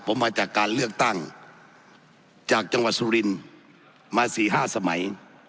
ผมมาจากการเลือกตั้งจากจังหวัดสุรินทร์มา๔๕สมัย